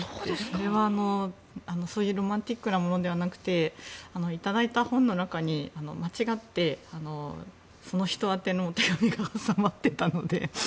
それはそういうロマンチックなものではなくて頂いた本の中に間違ってその人宛ての手紙が挟まっていたので。